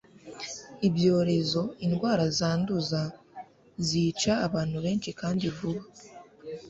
ibyorezo indwara zanduza, zica abantu benshi kandi vuba